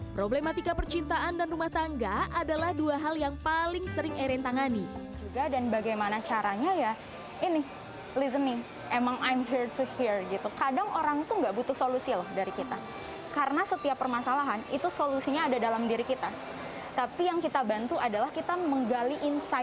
problematika percintaan dan rumah tangga adalah dua hal yang paling sering eirene tangani